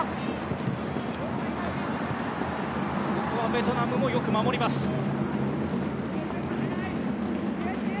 ここはベトナムもよく守ります。